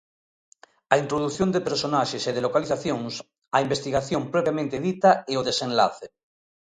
A introdución de personaxes e de localizacións, a investigación propiamente dita e o desenlace.